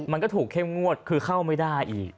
มันก็ถูกเข้มงวดคือเข้าไม่ได้อีก